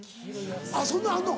あっそんなんあんの？